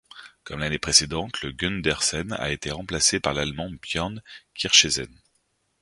Comme l'année précédente, le Gundersen a été remporté par l'Allemand Björn Kircheisen.